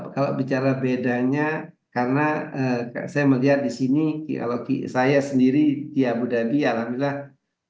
kalau bicara bedanya karena saya melihat di sini kalau saya sendiri di abu dhabi alhamdulillah